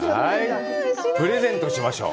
プレゼントしましょう。